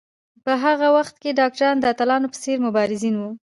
په هغه وخت کې ډاکټران د اتلانو په څېر مبارزین وو.